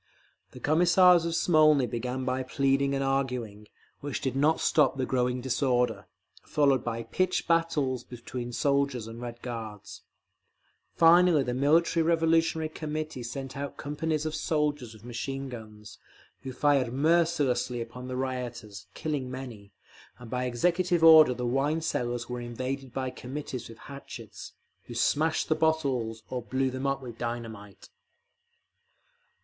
The Commissars of Smolny began by pleading and arguing, which did not stop the growing disorder, followed by pitched battles between soldiers and Red Guards…. Finally the Military Revolutionary Committee sent out companies of sailors with machine guns, who fired mercilessly upon the rioters, killing many; and by executive order the wine cellars were invaded by Committees with hatchets, who smashed the bottles—or blew them up with dynamite….